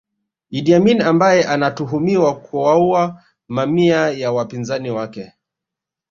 Idi Amin ambaye anatuhumiwa kuwaua mamia ya wapinzani wake